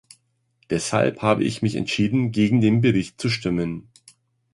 Deshalb habe ich mich entschieden, gegen den Bericht zu stimmen.